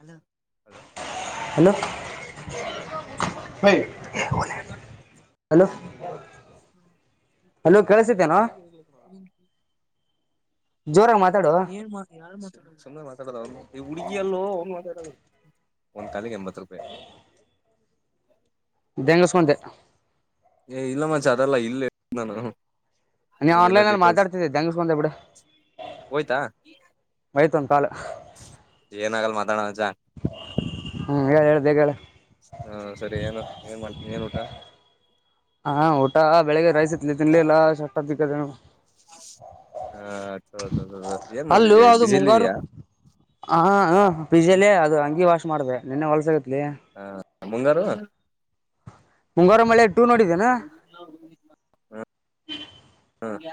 hello hello ಬೈ ಸದ್ಯಕ್ಕ ಏನ ಹಲೋ ಕೇಳಿಸತೇನೋ ಇಲ್ಲಾಗಗದ ಜೋರಾಗಿ ಮಾತಾಡು ಏನ್ ಯಾರು ಮಾತ ಮಾತಾಡ ಚಂದಗ ಮಾತಾಡ ಅವ ಹಿಯಲ್ಲೋ ಅವ ಮಾತಾಡ ನೀ ಹುಡುಗಿ ಅಲ್ಲೋ ಒಂದ ಕಾಲಿಗೆ ಎಂಬತ್ತು ರೂಪಾಯಿ ಬೆಂಗಸ್ ಮಂತೆ ಏ ಇಲ್ಲ ಮಚ್ಚಾ ಅದೆಲ್ಲಾ ಇಲ್ಲ ನಾ ನೀ ಆನ್ಲೈನ್ಲ್ಲಿ ಮಾತಾಡ್ತಿದ್ದೆ ದಂಗಸ್ ಬಂದೆ ಬಿಡ ಹೋಯ್ತಾ ಆಯ್ತ ಒಂದ ಕಾಲ ಏನಾಗಲ್ಲ ಮಾತಾಡ ಮಚ್ಚಾ ಹ್ಮ್ ಹೇಳ ಹೇಳ ಬೇಗ ಹೇಳ ಹಾ ಸರಿ ಏನು ಏನ್ ಮಾಡ್ತಿ ಏನ್ ಊಟ ಹಾ ಊಟ ಬೆಳಿಗ್ಗೆ ರೈಸ್ ಇತ್ಲಿ ತಿನ್ಲಿಲ್ಲ ಸಷ್ಟ್ದಿಕ್ಕದೇನು ಹಾ ಏನ್ ಮಾಡ್ತಿದ್ಯಾ ಬ ಪಿಜಿಲಿ ಇದಯಾ ಹ ಪಿಜಲ್ಲ ಅದು ಅಂಗಿ ವಾಶ್ ಮಾಡ್ದ ನಿನ್ನೆ ಹೊಲಸ ಆಗಿತ್ತ ಲಈ ಮುಂಗಾರವಾ ಮುಂಗಾರ ಮಳೆ ಟು ನೋಡಿದ್ದೇನಾ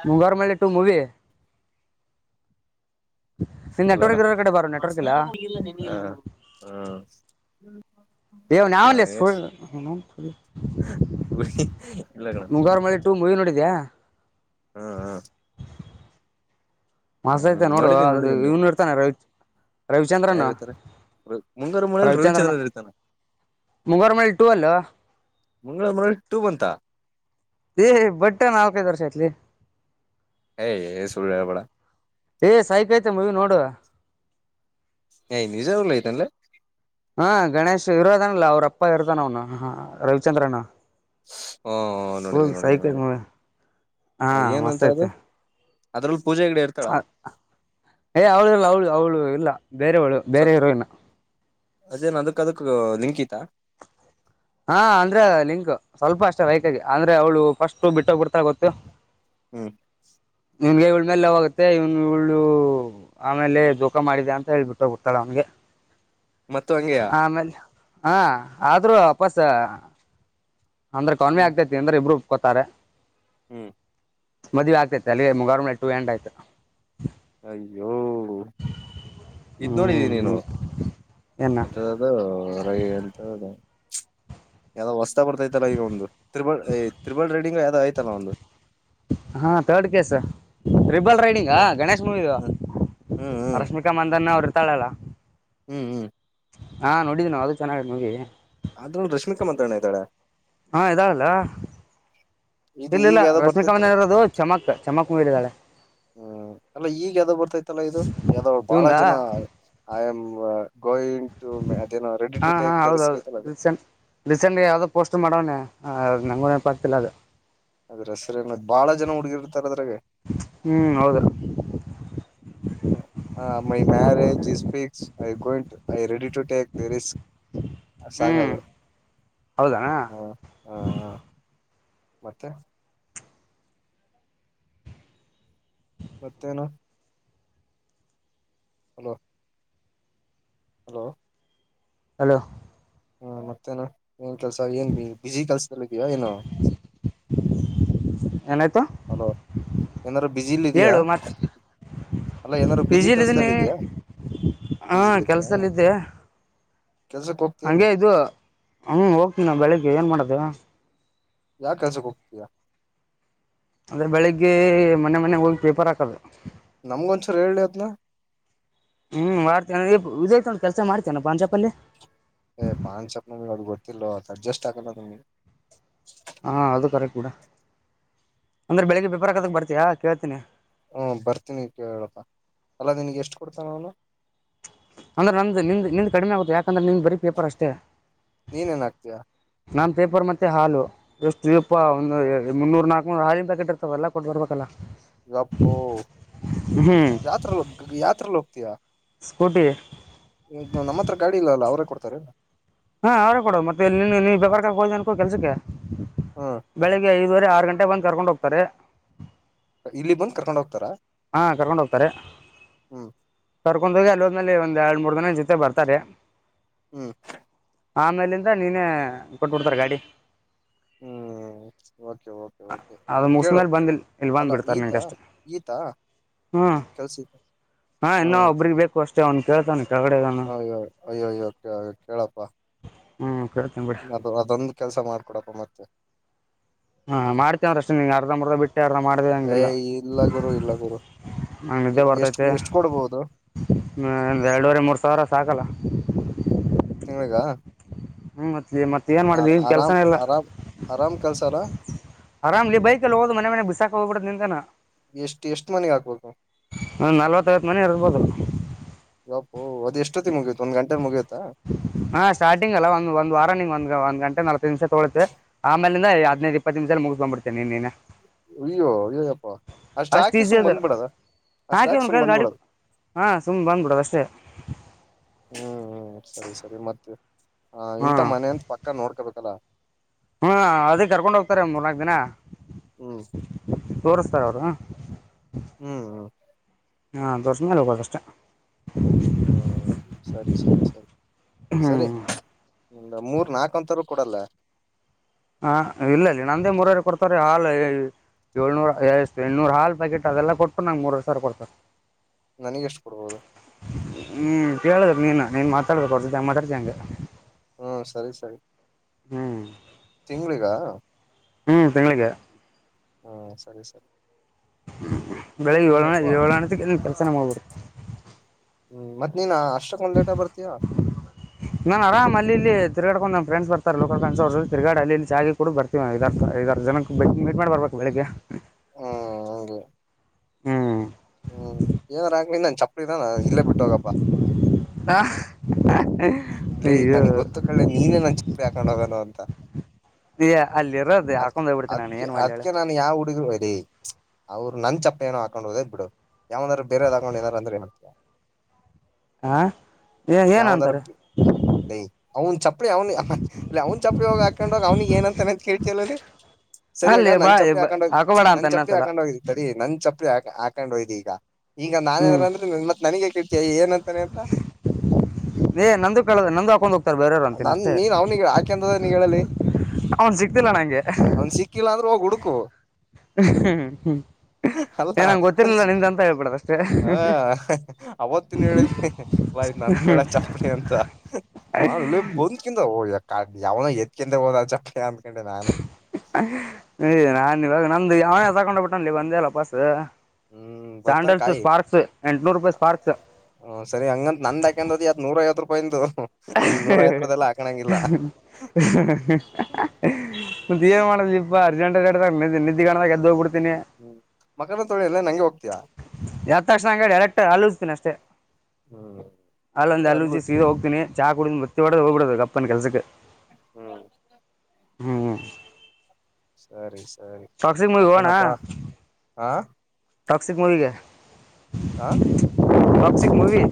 ಮುಂಗಾರು ಮಳೆ ಟು ಮೂವಿ ನಿನ್ನ ಹಲ ನೆಟ್ವರ್ಕ್ ಇರೋ ಕಡೆ ಬಾರೋ ನೆಟ್ವರ್ಕ್ ಇಲ್ಲ ಮಸಾಲ ಹ ಏ ಇವ ಯಾವ ಲೇ ಸೂ ಎಸ್ ಇಲ್ಲ ಕಣ ಮುಂಗಾರು ಮಳೆ ಟೂ ಮೂವಿ ನೋಡಿದೆನ ನೋಡಿದ್ಯಾ ಹ್ಮ್ ಹ್ಮ ಹ್ಮ್ ಮಸ್ತ್ ಹ್ಮ್ ಐತೆ ನೋಡು ಅದು ನೋಡಿದ್ದೀನ್ನೋಡಿದ್ದೀನಿ ಇವ್ನು ಇರ್ತಾನೆ ರವಿ ಯಾರ ರವಿಚಂದ್ರನ್ ಇರ್ತಾರ ಮುಂಗಾರ ಮೂಳೆಯಲ್ಲಿ ರವಿಚಂದ್ರನ ಇರ್ತಾನ ಮುಂಗಾರ ಮಳ ಟು ಅಲ್ಲ ಮಂಗಳವಾರ ಮಂ ಟು ಬಂತ ಏ ಬಟ್ಟೆ ನಾಲ್ಕದು ವರ್ಷ ಆತ್ಲಿ ಏಯ್ ಸುಳ್ಳು ಹೇಳ್ಬೇಡ ಏ ಸಹ ಕಯತೆ ಮೂವಿ ನೋಡುುವ ಇಂದಜಲ್ಲಯತನೆಲ್ಲ ಹಾ ಗಣೇಶ್ ಇರೋದನಿಲ್ಲ ಅವ್ರ ಅಪ್ಪ ಇರ್ತಾನ ಅವ್ನು ಹ ರವಿಚಂದ್ರನ ಹ್ಮ ನೋಡಿದೀನಿ ಪಲ್ ನೋಡಿದೀನಿ ಸಹಕ ನೋಡಿದೀನಿ ಹಾ ಮಸ್ತ ಏನಂತ ಆಐತ ಅದು ಅದ್ರಲ್ಲಿ ಪೂಜೆ ಗಿಡ ಇರ್ತಾಳ ಹ ಏ ಅವಳು ಇಲ್ಲ ಅವಳು ಅವಳು ಇಲ್ಲ ಬೇರೆವಳು ಸ ಬೇರೆ ಇರು ಇನ್ನು ಅದೇನ್ ಅದಕ್ಕ ಅದಕ್ ಲಿಂಕಿತ ಹಾ ಅಂದ್ರೆ ಲಿಂಕ್ ಸ್ವಲ್ಪ ಅಷ್ಟೇ ವೈಕಗೆ ಅಂದ್ರೆ ಅವ್ಳು ಫಸ್ಟ್ ಬಿಟ್ಟೋಗ್ ಬಿಡ್ತಾ ಗೊತ್ತು ಹ್ಮ್ ಇವ್ಗೆ ಇವಳ ಮೇಲೆ ಯಾಗುತ್ತೆ ಇವ್ ಇವಳು ಆಮೇಲೆ ದೂಖ ಮಾಡಿದೆ ಅಂತ ಹೇಳ್ಬಿಟ್ಟು ಗೊತ್ತಾಳ ಅವ್ಗೆ ಮ ಹಂಗಯ ಹಾ ಆದ್ರೂ ಅಪಸ್ ಅಂದ್ರೆ ಹ್ಮ್ ಕನ್ಆಗ್ತೇತಿ ಅಂದ್ರೆ ಇಬ್ರು ಕಲ್ಕತಾರೆ ಹ್ಮ್ ಮದ್ ಆಗ್ತತೆ ಅಲ್ಲಿಗೆ ಮುಗಾರಳೆ ಟು ಎಂಡ್ ಆಯ್ತು ಅಯ್ಯೋ ಇದ ನೋಡಿದೀನಿ ನೀನು ಹ್ಮ್ ಏನ ಎತದ ಅದು ರಾಗಿ ಹಳ್ತದು ಯಾವ್ದ್ ಹೊಸ್ತ ಬರ್ತೈತಲ್ಲ ಈಗ ಒಂದು ತ್ರಿಬಲ್ ತ್ರಿಬಲ್ ರೈಡಿಂಗ್ ಯಾವ್ದ್ ಆಐ್ತಲ್ಲ ಒಂದು ಹಾ ತಡ್ ಕೆಸ ಟ್ರಿಬಲ್ ರೈಡಿಂಗಾ ಗಣೇಶ್ ಮೂವಿ ಹ್ಮ್ ಹ್ಮ್ ಹ್ಮ್ ರಶ್ಮಿಕಾ ಮಂದನ್ ಅವ್ರು ಇರ್ತಾಳಲ್ಲ ಹ್ಮ್ ಹ್ಮ್ ಹಾ ನೋಡಿದ್ದ ನ ಅದು ಚೆನ್ನಾಗಿ ನೋ ಅದ್ರಳ ರಶ್ಮಿಕಾ ಮಂತ್ರಣಯತಾಳೆ ಹಾ ಇದಾಗಲ್ಲ ಇದು ಇಲ್ಲ ಈಗ ಇಲ್ಲ ಯಾವ್ದೋ ರಶ್ಮಿಕಾ ಬರ್ತೈತ್ತಲ್ಲ ಮನ ಇರೋದು ಚಮಕ್ ಚಮಕ್ ಮೀಲಿದ್ದಾಳೆ ಹ್ಮ್ ಅಲ್ಲ ಈಗ ಯ್ದ್ ಬರ್ತೈತಲ್ಲ ಇದು ಯ್ದೋ ಬಹಳ ಇವಂದ ಜನ ಆಮ್ ಗೋಯಂ ಟು ಅದೇನೋ ಹಾ ರೆಡಿತ ಹಾ ಹೌದೌದು ಅದು ರೀಸೆಂಟ್ ಯಾವ್ದೋ ಪೋಸ್ಟ್ ಮಾಡೋಣನೆ ನಂಗೂ ಏನಪ ಆತಿಲ್ಲ ಅದು ಅದ್ ಹೆಸರ್ ಬಾಳ ಜನ ಹುಡುಗಿರುತ್ತೆ ಹ್ಮ್ ಹೌದು ಹ my marriage is fix I ಗೋಂಟ್ I ready ಟಟ ದ ರಿಸ ಹ ಸಾಗ ಹೌದಣ ಮತ್ತೆ ಮತ್ತೇನಾ ಹಲೋ ಹಲೋ ಹಲೋ ಹ್ಮ ಮತ್ತೇನ ಏನ್ ಕೆಲ್ಸ ಏನ್ ಬಿ ಬಿಸಿ ಕೆಲ್ಸಲ್ಲ ಇದೀಯಾ ಏನು ಏನಾಯ್ತು ಹಲೋ ಏನಾರ ಬಜಲಿ ಇದಯಾ ಹೇಳು ಮತ್ತೆ ಅಲ್ಲ ಏನಾದ್ರು ಪಿ ಬಿಜಿ ಜಿಲಿದ್ದೀನಿ ಕೆಲ್ಸದಲ್ಲಿ ಇದಯಾಜಿ ಹಾ ಹಂಗಗೆ ಇದು ಹ ಹೋಗ್ತೀ ನ ಬೆಳಿಗ್ಗೆ ಏನ್ ಮಾಡದ ಯ ಕಸೆ ಗುಪ್ತ ಅಂದ್ರೆ ಬೆಳಿಗ್ಗೆ ಮನೆ ಮನೆ ಹೋಗಿ ಪೇಪರ್ ಹಾಕದು ನಮ್ಗೊಂಚೂರ್ ಹೇಳ್ಳೆ ಅದ್ನ ಹ್ಮ್ ಮಾಡ್ತೇನ ಇದು ಅಯ್ತೋಡ ಕೆಲ್ಸ ಮಾಡ್ತೇನ ಪಾನ್ ಶಾಪಲ್ಲಿ ಇಲ್ಲೋ ಅಡ್ಜೆಸ್ಟ್ ಆಗಲ್ಲ ನಂಗೆ ಕೂಡ ಅಂದ್ರೆ ಬೆಳಿಗ್ಗೆ ಪೇಪರ್ ಹಾಕೋದಕ್ಕೆ ಬರ್ತಿಯಾ ಕೇಳ್ತೀನಿ ಹ್ಮ ಬರ್ತೀನಿ ಕೇಳಪ್ಪ ಅಲ್ಲ ನಿನಗ್ ಎಷ್ಟು ಕೊಡ್ತಾನ ಅವ್ನು ಅಂದ್ರೆ ನಮ್ದ ನಿಂದ್ ನಿಂದ್ ಕಡಿಮೆ ಆಗುತ್ತೆ ಯಾಕ್ ಂದ್ರೆ ನಿಂದ್ ಬರೀ ಪೇಪರ್ ಅಷ್ಟೇ ನೀನೇನ್ ಹಾಕ್ತಿಯ ನ ಪೇಪರ್ ಮತ್ತೆ ಹಾಲು ಎಷ್ಟೀ ಪಾ ಒಂದು ಮುನ್ನೂರು ನಾಲ್ಕ್ನೂರು ಹಾಲಿಂದ ಪಾಕೀಟ್ ಇರ್ತಾವಲ್ಲ ಕೊಟ್ಟು ಬರ್ಬೇಕಲ್ಲ ಎಪ್ಪೋ ಹ್ಮ್ ಯಾತ್ರ ಯಾತ್ರಲ್ಲ ಹೋಗ್ತೀಯಾ ಸ್ಕೂಟಿ ನಮ್ಮ ಹತ್ರ ಗಾಡಿ ಇಲ್ಲ ಅಲ್ಲ ಅವರೇ ಕೊಡ್ತಾರೇನ ಹಾ ಅವ್ರೇ ಕೊಡ ಮತ್ತೆನ್ನ ನೀವ ಬೇಕಾರ್ ಹೋನಕೂ ಕೆಲ್ಸಕ್ಕೆ ಹ್ಮ್ ಬೆಳಿಗ್ಗೆ ಐ ದುವರೆ ಆರು ಗಂಟೆ ಬಂದ್ ಕರ್ಕೊಂಡ್ ಹೋಗ್ತಾರೆ ಇಲ್ಲಿಗ್ ಬಂದ್ ಕರ್ಕೊಂಡ್ ಹೋಗ್ತಾರಾ ಹಾ ಕರ್ಕೊಂಡ ಹೋಗ್ತಾರೆ ಹ್ಮ್ ಕರ್ಕೊಂಡ ಹೋಗಿ ಅಲ್ಲಿ ಹೋದ್ಮೇಲೆ ಒಂದ್ ಎರಡ್ ಮೂರ್ ದಿನ ನಿನ್ ಜೊತೆ ಬರ್ತಾರೆ ಹ್ಮ್ ಆಮೇಲಿಂದ ನೀನೇ ಕೊಟ್ಬಿಡ್ತಾರ ಗಾಡಿ ಹ್ಮ್ ಓಕೆ ಓಕೆ ಓಕೆ ಅದು ಕೇಳು ಮುಗಿಸ್ಮೇಲೆ ಬಂದು ಇಲ್ಲಿ ಅಲ್ಲ ಈತ ಈತ ಹ್ಮ ಕೆಲ್ಸ ಹಾ ಇನ್ನು ಒಬ್ರೀಗ್ ಬೇಕು ಅಷ್ಟೇ ಅವ್ನ್ ಕೇಳ್ತನಿ ಹಯ್ಯೋ ಅಯ್ಯಯ್ಯೋ ಕೇಳಪ್ಪ ಹ್ಞೂ ಕೇಳ್ತೀನಿ ಬಿಡಿ ಅದು ಅದೊಂದು ಕೆಲ್ಸ ಮಾಡ್ಕೊಡಪ್ಪ ಮತ್ತೆ ಹಾ ಮಾಡ್ತೀ ಅಂದ್ರ ಅಷ್ಟ ನಿಂಗ ಅರ್ಧ ಮರ್ಧ ಬಿಟ್ಟೆ ಅರ್ಧ ಮಾಡ್ದೆ ಏ ಹಂಗಿಲ್ಲ ಇಲ್ಲ ಗುರು ಇಲ್ಲ ಗುರು ನಂಗ್ ನಿದ್ದೆ ಎಷ್ಟ್ ಬರ್ತೈತೆ ಎಷ್ಟ್ ಕೊಡ್ಬೋದು ಎರಡೂವರೆ ಮೂರ್ ಸಾವಿರ ಸಾಕಲ್ಲ ತಿಂಗ್ಳಗ ಹ್ಮ್ ಮತ್ಲೇ ಮತ್ತ ಏನ್ ಮಾಡ್ದ ಇನ್ ಕೆಲ್ಸನ ಇಲ್ಲ ಆರಾಮ್ ಆರಾಮ್ ಕೆಲ್ಸಾರ ಆರಾಮ್ಲೇ ಬೈಕಲ್ಲಿ ಹೋಗದ್ ಮನೆ ಮನೆ ಬಿಸಾಕ್ ಹೋಗ್ಬಿಡ್ದ್ ನಿಂದೇನ ಎಷ್ಟ್ ಎಷ್ಟ್ ಮನಿಗ್ ಹಾಕ್ಬೇಕು ಹ ನಲ್ವತ್ತೈವತ್ತು ಮನೆ ಇರ್ಬೋದು ಯಪ್ಪೌ ಅದ ಎಷ್ಟೊತ್ತಿಗ ಮುಗ್ಯ ಹಾ ಸ್ಟಾರ್ಟಿಂಗ್ ಅಲ್ಲ ಒಂದ್ ಒಂದ್ ವಾರ ನಿಂಗ್ ಒಂದ್ ಒಂದ್ ಗಂಟೆ ಮ್ಯಾಲ್ ಮಷ ತಗಳುತ್ತೆ ಆಮೇಲಿಂದ ಹದಿನೈದು ಇಪ್ಪತ್ತು ನಿಮಿದಲ್ಲಿ ಮುಗ್ಸೊಂಡ್ಬಿಡ್ತಿಯ ನೀನ ಅಯ್ಯೋ ಅಯ್ಯಯ್ಯಪ್ಪ ಅಷ್ಟು ಹಾಕಿ ಈಸಿ ಸುಮ್ ಅದು ಬಂದ್ಬಿಡದ ಅಷ್ಟು ಹಾಕಿ ಸುಮ್ ಬಂದ್ಬಿಡದು ಹಾ ಸುಮ್ ಬಂದ್ಬಿಡದ ಅಷ್ಟೇ ಹ್ಮ್ ಹ್ಮ್ ಸರಿ ಸರಿ ಮತ್ತೆ ಆ ಇಂತ ಮನೆಂತ ಪಕ್ಕ ನೋಡ್ಕೊಬೇಕಲ್ಲ ಹ್ಮ ಅದ ಕರ್ಕೊಂಡ್ ಹೋಗ್ತಾರೆ ಮೂರ್ನಾಕ್ ದಿನ ಹ್ಮ್ ತೋರಸ್ತಾರೆ ಅವರು ಹ್ಮ್ ಹ್ಮ ಹಾ ತೊರ್ಸದ್ಮೇಲೆ ಹೋಗದಷ್ಟ ಹ್ಮ್ ಸರಿ ಸರಿ ಸರಿ ಹ್ಞೂ ಸರಿ ಒಂದ್ ಮೂರ್ ನಾಕ್ ಅಂತರು ಕೊಡಲ್ಲ ಹಾ ಇಲ್ಲಲ್ಲೆ ನಂದೇ ಮೂರುವರೆ ಕೊಡ್ತಾರೆ ಹಾಲ ಏಳ್ನೂರ ಎಷ್ಟು ಎಳ್ನೂರು ಹಾಲ್ ಪ್ಯಾಕೆಟ್ ಅದೆಲ್ಲ ಕೊಟ್ಟು ನನ್ಗ ಮೂರುವರೆ ಸಾವ್ರ ಕೊಡ್ತಾರ ನನಗೆ ಎಷ್ಟು ಕೊಡ್ಬೋದು ನೀನ್ ನೀನ್ ಮಾತಾಡಬೇಕ ಅವ್ರ್ ಜೊತೆ ಹೆಂಗ್ ಮಾತಾಡ್ತೀ ಹಂಗೆ ಹ್ಮ ಸರಿ ಸರಿ ಹ್ಮ್ ತಿಂಗ್ಳಿಗ ಹ್ಮ್ ತಿಂಗ್ಳಿಗೆ ಹ್ಮ್ ಸರಿ ಸರಿ ್ಮ ಬೆಳಿಗ್ಗೆ ಹ್ಮ್ ಏಳ ಯಪ್ಪಾ ಏಳಣದಕ್ಕೆನ್ ಪ್ರರ್ಚನೆ ಮಾಡ್ಬಡ್ು ಹ್ಮ್ ಮತ್ತತ್ ನೀನ್ ಅಷ್ಟಕ್ ಒಂದ್ ಲೇಟ ಬರ್ತಿಯಾ ನಾನ್ ಆರಾಮ್ ಅಲ್ಲಿ ತಿಗಾಕೊಂಡ್ ನ್ ಫ್ರೆಂಡ್ ಬರ್ತಾರೆ ಲೋಕ ಕ ತಿರ್ಗಡ ಅಲ್ಲಿ ಚಾಗಿ ಕೂಡ ಬರ್ತವ ಇದ ಐದಾರು ಜನಕ್ಕೆ ಬೆ ಮೀಟ್ ಮಾಡಿಬರ್ಬೇಕು ಬೆಳಗ್ಗೆ ಹ್ಮ್ ಹಗೆ ಹ್ಮ್ ಹ್ಮ್ ಏನಾರಾ ನಿಿಂದ ನನ್ ಚಪ್ಪ ಇದಾನ ಇಲ್ಲೇ ಬಿಟ್ಟು ಹೋಗಪ್ಪಾ ಹಾ ಅೇ ನನಗ್ ಗೊತ್ತು ಕಳ್ಳೆ ನೀನೇ ನನ್ ಚರಿ ಹಾಕೊಂಡ್ ಹೋಗೋಾನ ಅಂತ ಏ ಅಲ್ಲಿರೋದು ಅದ್ ಹಾಕೊಂಡ್ ಹೋಗ್ಬಿಡ್ತೀನಿ ನಾನು ಅದ್ಕ್ಕೆ ಏನ್ ಮಾಡ್ಲಿ ಅದ್ಕ ಹೇಳು ನಾನು ಯಾವ ಹುಡುಗರುರಿ ಅವ್ರು ನನ್ ಚಪ್ಪ ಏನೋ ಹಾಕೊಂಡ್ ಓದ್ ಬಿಡು ಯಾವಂದ್ರರು ಬೇರೆದ್ಾಕೊಂಡು ಏನಾರ ಅಂದ್ರೆ ಏತಾ ಹಾ ಏ ಏನ್ ಅಂತಾರೆ ಅದೈ ಅವ್ನ್ ಚಪ್ಪಲಿ ಅವ್ನ ಇಲ್ಲ ಅವ್ನ್ ಚಪ್ಪಲಿ ಹೋಗಿ ಹಾಕೊಂಡೋಗ ಅವ್ನಿಿಗೆ ಏನಂತಾನ ಕೇಳಿ ಸರಿಯಗ ಅಲ್ಲಿ ಬಾ ನನ್ ಚಪ್ಪಿ ಹಾಕೊಂಡ್ ಹೋಗ ಹಾಕೋಬೇಡ ನನ್ ಅಂತ ಚಪ್ಪಲಿ ಇನ್ನೊಂದ್ಸಲ ಹಾಕೊಂಡ್ ಹೋಗಿದ್ದ ಸರಿ ನನ್ ಚಪ್ಪಿ ಹಾಕೊಂಡ್ ಹಯ್ದು ಈಗ ಈಗ ಹ್ಮ್ ನಾನಾರಂದ್ರೆ ಮತ್ ನನಗೆ ಕೆಟ್ಟ ಏನಂತಾನೆ ಅಂತ ನಂದು ಕೇಳದ ನಂದು ಹಾಕೊಂಡ್ ಹೋಗ್ತಾರೆ ಬೇರೆಯವ್ ಅಂತನಿ ನನ್ ಅಷ್ಟೇ ನೀನ್ ಅವ್ನಿಗೆ ಹಾಕ್ಯಂದದ ನೀ ಹೇಳಲಿ ಅವನ್ ಸಿಕ್ತಿಲ್ಲ ನಂಗೆ ಹ ಹ್ಮ್ ಹ್ಮ್ ಅಲ್ಲ ಅಷ್ಟೇ ಹ ಅವತ್ತಿನ ಹೇಳಿದಿ ್ ನನ್ ಕಡೆ ಚಾಪಡಿ ಅಂತ ನ ಬಂದ್ಕಿಂತ ಯ ಯಾವನ ಎತ್ಕಂತ ಹೋದ ಚ ನಾನನ್ ನಿವಾಗ ನ ಒಂದು ಯಾವೇ ತಕೊಂಡ್ ಬಿಟ್ಟ ಅಲ್ಲಿ ಬಂದೇ ಅಲ್ಲ ಪಾಸ್ ಹ್ಮ್ ಬರ್ತಂಗ ಸ್ಯಾಂಡಲ್ಸ್ ಸ್ಪಾರ್ಕ್ಸ್ ಎಂಟಟ್ನೂರು ರೂಪಾಯಿ ಸ್ಪಾರ್ಕ್ಸ್ ಹ್ ಸರಿ ಹಂಗಂತ ನಂದಾಕಂದ್ರದ ನೂರೈವತ್ತು ಇನ್ ನೂರ ಐತ್ರದಲ್ಲ ಹಾಕೊಂಡ ತೀರ್ ಮಾಡದಿಪ್ಪಾ ಪ್ರಜಂಟಡೆಡೆ ತಗನೆಲ್ಲಿಲ್ಲಿ ಹ ಹ್ಮ್ ಮಕನ ತೊಳಿ ಎಲ್ಲ ನಂಗೆ ಹೋಗ್ತಯಾ ಎತ್ತ ತಕ್ಷಣಂ ಡೈರೆಕ್ಟ್ ಅಲಿಸ್ತೀನಿ ಅಷ್ಟೇ ಹ್ಮ್ ಅಲ್ಲಂದ ಅಲ್ಲೂ ಅಲ್ಲೂಜಿ ಸೀದ ಹೋಗ್ತೀನಿ ಚಾಕ್ ಬತ್ತಿ ಹೋಗ್ಬಿಡದು ಅಪ್ಪನ್ ಕೆಲ್ಸಕ್ಕೆ ಹ್ಮ್ ಹ್ಮ್ ಸರಿ ಸರಿ ಸಾಕ್ಷಿ ಮು ಹಣ ಮತ್ತೇನಪ್ಪಾ ಹಾ ಟಾಕ್ಸಿಕ್ ಮೂವಿಗೆ ಹ ಟಾಕ್ಸಿಕ್ ಮೂವಿ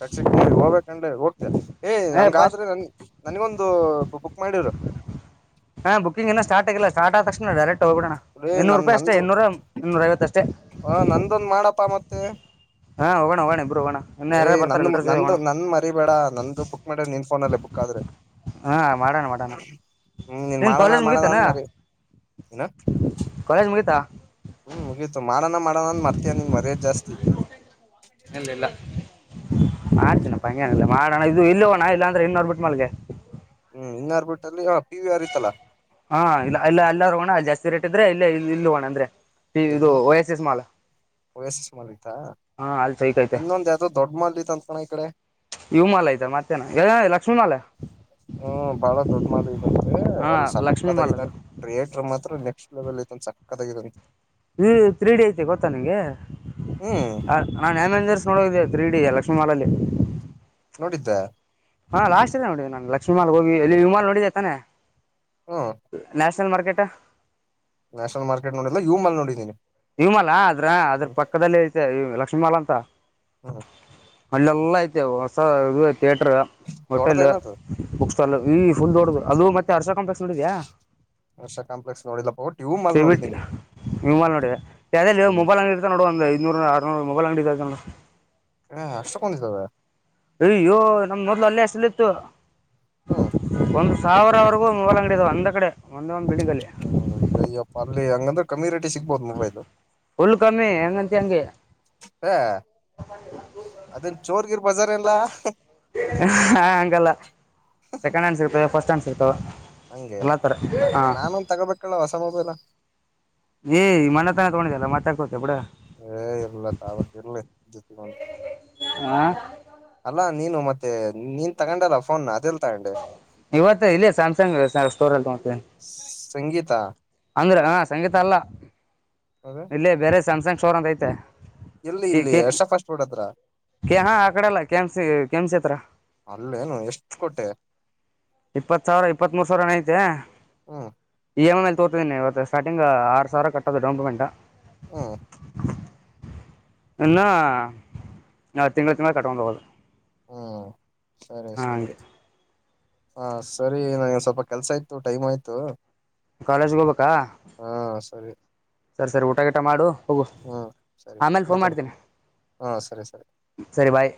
ಕಕ್ಷಿಕ್ ಮೂವಿ ಹೋಗ್ಬೇಕಂಡ್ರೆ ಹೋಗ್ತ ಏ್ ಏ ಫಸ್ಟ್ ಹಂಗಾದ್ರೆ ನನ್ ನನಗೊಂದು ಬುಕ್ ಮಾಡರು ಹಾ ಬುಿಂಗ ಎ ಸಾರ್ ಆಗಿಲ್ಲ ಸಾರ್ಟ್ ಆದ ತಕ್ಷಣ ಡರೆಕ್ಟ್ ಹೋಗಿೋಣ ಇನ್ನೂರು ರೂಪಾಯಿ ಅಷ್ಟೇ ಇನ್ನೂರ ಇನ್ನೂರ ಐವತ್ತಷ್ಟೇ ಹಾ ನಂದೊಂದ ಮಾಡಪ್ಪಾ ಮತ್ತೆ ಹಾ ಹೋಗೋಣ ಹೋಗೋಣ ಇಬ್ರು ಹೋಗೋಣ ಇನ್ನೂ ಏಯ ಯಾರ್ಯಾರು ಬರ್ತಾರೆ ನಂದು ಎಲ್ಲರ ಜೊತೆ ನಂದು ಹೋಗೋಣ ನನ್ ಮರಿಬೇಡ ನಂದು ಬುಕ್ ಮಾಡ ನಿನ್ ಫೋನಲ್ಲಿ ಬುಕ್ಕಾದ್ರೆ ಹಾ ಮಾಡೋಣ ಮಾಡೋಣ ನೀನ್ ಮಾಡಣ ಕಾಲೇಜ್ ಮಾಡಣ ಮುಗಿತಾನ ಅಂದ ಮರಿ ಏನ ಕಾಲೇಜ್ ಮುಗಿತಾ ಹ್ಮ್ ಮುಗೀತು ಮಾಡೋಣ ಮಾಡೋಣ ಅಂದ ಮರ್ತಿಯ ನೀನ್ ಮರ್ಯದ್ ಜಾಸ್ತಿ ಹ್ಮ್ ಮಾಡ್ತಣ್ಣ ಪಂಗ್ಯನಲ್ಲ ಮಾಡೋಣ ಇದು ಇಲ್ಲೋಣ ಇಲ್ಲಾಂದ್ರೆ ಇನ್ನೋರ್ ಬಿಟ್ಟ ಮಲ್ಗೆ ಹ್ಮ್ ಇನ್ನಾರ್ ಬಿಿಟ್ಟಲ್ಲಿ ಹ ಪಿವಿ ಆರಿತ್ತಲ್ಲಾ ಹಾ ಇಲ್ಲ ಇಲ್ಲ ಎಲ್ಲ ಹೋಗಣ ಜಾಸ್ತಿ ರೇಟ್ ಇದ್ರೆ ಇಲ್ಲ ಇ ಇಲ್ಲ ಹೋಗೋಣ ಅಂದ್ರೆ ಈ- ಇದು ಎಲ್ಲಿ ಓ ಎಸ್ ಎಸ್ ಮಾಲ್ ವಯಸ್ ಎಸ್ ಮಲಿತಾ ಹಾ ಅಲ್ಲಿ ಸೈಕ್ ಇನ್ನೊಂದ್ ಯಾವದೋ ದೊಡ್ಡ ಮಲ್ಲಿತ್ ಅಂತಣ ಈ ಕಡೆ ಇವ ಮಾಾಲಾ ಇದಐ್ದಾರೆ ಮತ್ತೇನ ಲಕ್ಷ್ಮೀ ಮಾಾಲ ಹ್ಮ್ ಬಾಳ ದೊಡ್್ಮಾಲಂತೆ ಹಾ ಅಲ್ಲಿ ಲಕ್ಷ್ಮಿ ಮಾಲ್ ಸಕ್ಕದಾಗ ಅದು ಥಿಯೇಟ್ರರ್ ಮಾತ್ರ ಎಷ್ಟ ಲೆವೆಲ್ ಐತೆ ಸಕ್ಕಾಗ ಈ ತ್ರೀ ಡಿ ಐತೆ ಗೊತ್ತಾ ನಿಂಗೆ ಹ್ಮ್ ನಾನ್ಮರ್ ನೋಡ ೀಡ ಲಕ್ಷ್ಮಿ ಮಾಾಲಲ್ಲಿ ನೋಡಿದ್ದೆ ಹಾ ಲಾಸ್ಟ್ ಇದೆ ನೋಡಿದ್ದ ನಾು ಲಕ್ಷ್ಮಮಾಲ್ ಹೋಗಿಲ್ಲಿ ವಿಮಾ ನೋಡಿದೆೇ ತಾನೆ ಹ್ಮ್ ನ್ಯಾಷನಲ್ ಮಾರ್ಕೆಟಾ ನ್ಯಾಷನ ಮಾರ್ಕಟ್ೋಡಲ್ಲ ಯು ಅ ನೋಡೀಿ ಇಮಾಲಾ ಅದ್ರ ಅದ್ರ ಪಕ್ಕದಲ್ಲಿ ಐತೆ ಲಕ್ಷ್ಮೀ ಮಾಲಾ ಅಂತ ಹ್ಮ ಅಲ್ಲೆಲ್ಲ ಐತೆ ಹೊಸ ಇ ಥಿಯೇಟರ್ ಹೋಟೆಲ್ ದೊಡ್ಡದೇನದು ಬುಕ್ ಸ್ಟಾಲ್ ಈ ಫುಲ್ ದೊಡದು ಅದು ಮತ್ತೆ ಹರ್ಷಾ ಕಂಪಕ್ಸ್ ನೋಡಿದ್ಯಾ ಹರ್ಷ ಕಾಂಪ್ಲೆಕ್ಸ್ ನೋಡಿಲ್ಲಪ್ಪ ಒಟ್ ಯು ಮಾಲ್ ಸೇವಿಟ್ ನೋಡಿದೀನಿ ವಿಮಾನ ನೋಡ ಯಾವ ಇ ಹ್ಮ್ ಮೊಬೈಲ್ ಅಂಗಡಿಡತ ನೋಡ ಒಂದ ಐನೂರುರ್ನೂರು ಮೊಬೈಲ್ ಅಂಗಡಿ ಹ ಅಷ್ಟಕೊಂಡಿದ್ದದ ಅಯ್ಯೋ ನಮ ಮೊದ್ಲು ಅಲ್ಲೇ ಅಷ್ಟಲ್ಲಿ ಇತ್ತು ಹಾ ಸಾವಿರವರೆಗೂ ಮೂಲಂಗಡಿಿದಾವ ಒಂದ್ ಕಡೆ ಒಂದ ಒಂದ್ ಬಿಡಿಗಲಿ ಹಂಗಂದ್ರ ಕಮ್ಮಿ ರ ಫುಲ್ ಕಮ್ಮಿ ಹೆಂಗಂತ ಹೆಂಂಗಗೆ ಏ ಅದೇನ್ ಚೋರ್ಗಿರ್ ಬಜಾರ್ ಎಲ್ಲ ಹಾ ಹಂಗಲ್ಲ ಸೆಕಂಡ್ ಹ್ಯಾಂಡ್ ಸಿರ್ತದೆ ಫಸ್ಟ್ ಹ್ಯಾ್ ಸಿರ್ತವೆ ಹಂಗೆ ನ ನಾನೊಂದ ತಗೋಬೇಕಲ್ಲ ಹೊಸ ಮೊಬೈಲ ಏ್ ಮನತನ ತಗೊಂಡಿದ್ದಲ್ಲ ಮತ್ತೆಾಕ ಏ ಇರ್ಲ ತಾವಾಗ ಇರ್ಲಿ ಜೊತೆಗ ಒಂದು ಆ ನೀನು ಮತ್ತೆ ನೀನ್ ತಗೊಂಡಲ್ಲ ಫೋನ್ ಅದೆ ಇವತ್ತ ಇಲ್ಲ ಸ್ಯಾಮ್ಸಂಗ್ ಸ್ಟೋರ್ ಅಲ್ಲಿ ತತೇಿ ಸಂಗೀತ ಅಂದ್ರೆ ಹ ಸಂಗೀತ ಅಲ್ಲ ಅದ ಇಲ್ಲೇ ಬೇರೆ ಸ್ಯಾಮ್ಸಂಗ್ ಶೋರ್ ಅಂತ ಐತೆ ಎಲ್ಲಿ ಇಲ್ಲಿ ಕೆ ಎಷ್ಟ ಫಾಸ್ಟ್ ಫುಡ್ ಹತ್ರ ಕೆ ಹಾ ಆ ಕಡೆಲ್ಲ ಕೆಮಸಿ ಕೆಮಸಿ ಹತ್ರ ಅಲ್ಲೇನು ಎಷ್ಟು ಕೊಟ್ಟೆ ಇಪ್ಪತ್ ಸಾವಿರ ಇಪ್ಪತ್ ಮೂರ್ ಸಾವಿರ ಏನ ಐತೆ ಹ್ಮ್ ಗಮ ಮೇ ತೋರ್ಿದೀನ ಇವ ಸ್ಟಾರ್ಟಿಂಗ್ ಆರು ಸಾವಿರ ಕಟ್ಟೋ ಡಂಪಮೆಂಟ್ ಹ ಇನ್ನ ನಾವ ತಿಂಗಳ ತಿಂಗಳ ಕಟ್ಕೊಂಡು ಹೋಗೋುದು ಹಾ ಸರಿ ಸರಿ ಹಾ ಸರಿ ನನಗೆ ಸ್ವಲ್ಪ ಕೆಲ್ಸ ಆಯ್ತು ಟೈಮ್ ಆಯ್ತು ಕಾಲೇಜ್ಗೆ ಹೋಗ್ಬೇಕಾ ಹಾ ಸರಿ ಸರಿ ಸರಿ ಊಟಗೀಟ ಮಾಡು ಹೋಗು ಹ್ಮ್ ಸರಿ ಆಮೇಲೆ ಫೋನ್ ಇಡ್ತೀನಿ ಮಾಡ್ತೀನಿ ಹಾ ಸರಿ ಸರಿ ಸರಿ ಬಾಯ್